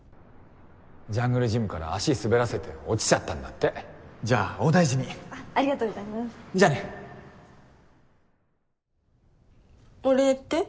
ジャングルジムから足滑らせて落ちちゃっじゃあお大事にありがとうございまじゃあねお礼って？